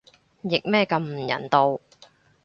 譯咩咁唔人道